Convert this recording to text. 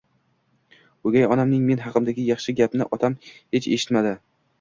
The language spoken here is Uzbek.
o'gay onamning men haqnmdagi yaxshi gapni otam hech eshitmadi.